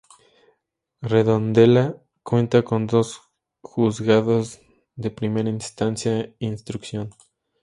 Redondela cuenta con dos Juzgados de Primera Instancia e Instrucción.